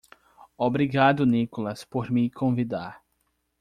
Obrigado Nicholas por me convidar.